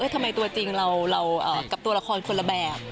ทำไมตัวจริงเรากับตัวละครคนละแบบ